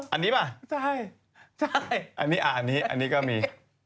อันนี้ป่ะอันนี้ก็มี